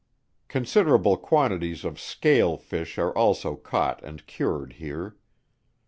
Considerable quantities of scale fish are also caught and cured here.